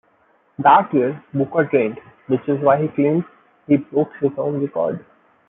That year, Buka trained, which is why he claims he broke his own record.